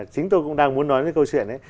chính tôi cũng đang muốn nói với câu chuyện ấy